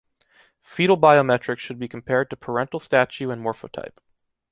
Fetal biometrics should be compared to parental stature and morphotype.